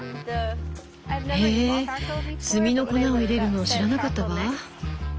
へえ炭の粉を入れるの知らなかったわ。